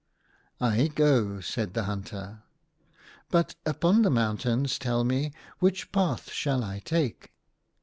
" I go," said the hunter ;" but upon the mountains, tell me, which path shall I take